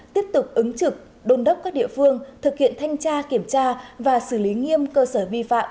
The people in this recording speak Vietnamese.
tiếp tục ứng trực đôn đốc các địa phương thực hiện thanh tra kiểm tra và xử lý nghiêm cơ sở vi phạm